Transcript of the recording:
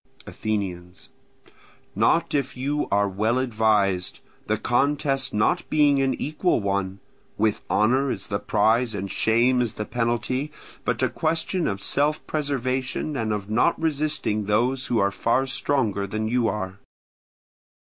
Athenians. Not if you are well advised, the contest not being an equal one, with honour as the prize and shame as the penalty, but a question of self preservation and of not resisting those who are far stronger than you are.